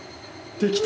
できた。